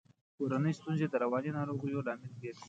کورنۍ ستونزي د رواني ناروغیو لامل ګرزي.